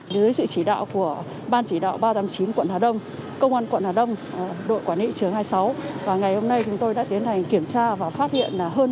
dưới sự chỉ đạo của ban chỉ đạo ba trăm tám mươi chín quận hà đông công an quận hà đông đội quản lý thị trường hai mươi sáu và ngày hôm nay chúng tôi đã tiến hành kiểm tra và phát hiện